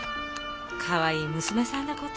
かわいい娘さんだこと。